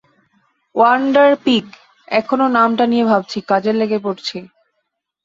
Wonder pig, এখনও নামটা নিয়ে ভাবছি, কাজে লেগে পড়ছি।